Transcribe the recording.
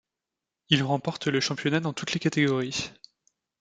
Il remporte le championnat dans toutes les catégories.